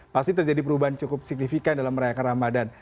pasti terjadi perubahan cukup signifikan dalam merayakan ramadan